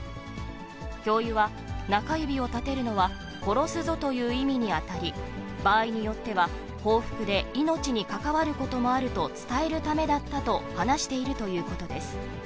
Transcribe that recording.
教諭は、中指を立てるのは殺すぞという意味に当たり、場合によっては、報復で命に関わることもあると伝えるためだったと話しているということです。